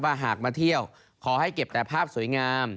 หากมาเที่ยวขอให้เก็บแต่ภาพสวยงาม